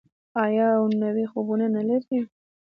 آیا او نوي خوبونه نلري؟